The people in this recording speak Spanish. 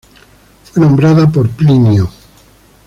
Fue nombrada por Plinio.